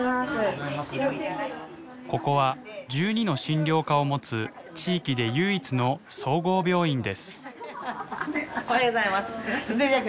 ここは１２の診療科を持つ地域で唯一の総合病院です。